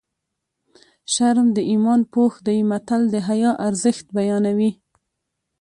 شرم د ایمان پوښ دی متل د حیا ارزښت بیانوي